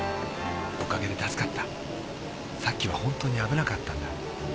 おかげで助かったさっきは本当に危なかったんだ。